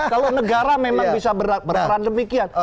kalau negara memang bisa berperan demikian